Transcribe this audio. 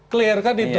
clear kan itu